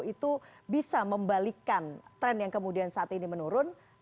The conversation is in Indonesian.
itu bisa membalikan tren yang kemudian saat ini menurun